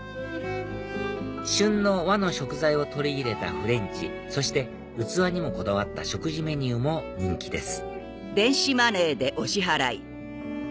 旬の和の食材を取り入れたフレンチそして器にもこだわった食事メニューも人気です